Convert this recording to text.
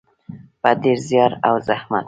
په ډیر زیار او زحمت.